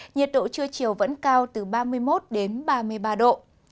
nhiệt độ trưa chiều vẫn cao từ ba mươi một đến ba mươi ba độ